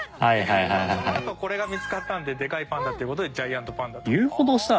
そのあとこれが見つかったのででかいパンダっていう事でジャイアントパンダと。